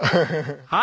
はい。